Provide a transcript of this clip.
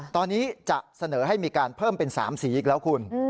ตอนนี้จะเสนอให้มีการเพิ่มเป็น๓สีอีกแล้วคุณ